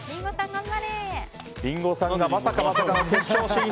リンゴさんがまさかまさかの決勝進出。